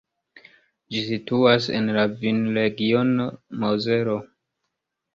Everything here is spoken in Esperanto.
Ĝi situas en la vinregiono Mozelo.